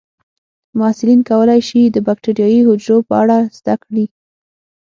محصلین کولی شي د بکټریايي حجرو په اړه زده کړي.